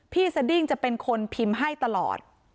สดิ้งจะเป็นคนพิมพ์ให้ตลอด